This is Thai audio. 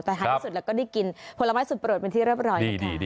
แต่หาที่สุดแล้วก็ได้กินผลไม้สุดประโยชน์เป็นที่เรียบร้อยนะคะ